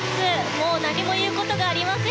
もう何も言うことがありません。